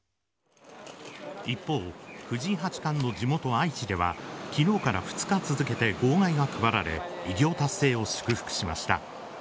一方、藤井八冠の地元・愛知では昨日から２日続けて号外が配られ偉業達成を祝福しました。